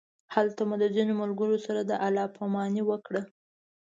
هلته مو د ځینو ملګرو سره د الله پامانۍ وکړ.